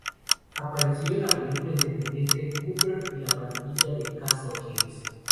Apareció en la película independiente "Cooper y la Pandilla de Castle Hills".